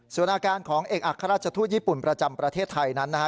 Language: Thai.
ส่วนอาการของเอกอัครราชทูตญี่ปุ่นประจำประเทศไทยนั้นนะฮะ